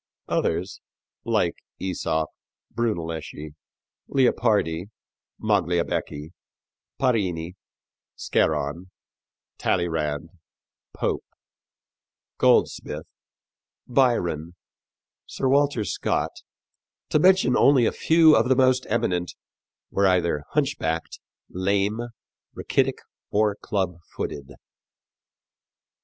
Others, like Æsop, Brunelleschi, Leopardi, Magliabecchi, Parini, Scarron, Talleyrand, Pope, Goldsmith, Byron, Sir Walter Scott, to mention only a few of the most eminent, were either hunchbacked, lame, rachitic or clubfooted.